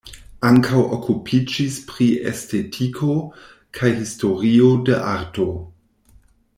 Ankaŭ okupiĝis pri estetiko kaj historio de arto.